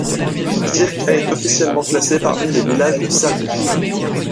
Sirča est officiellement classé parmi les villages de Serbie.